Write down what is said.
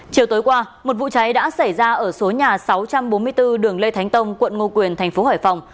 chiều tối qua một vụ cháy đã xảy ra ở số nhà sáu trăm bốn mươi bốn đường lê thánh tông quận ngô quyền tp hải phòng